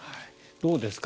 どうですか？